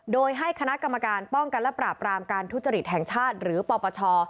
โดยให้คณะกรรมการป้องกันและปราบรามการทุจริตแห่งชาติหรือปปช